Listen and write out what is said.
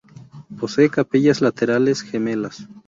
Posee capillas laterales gemelas.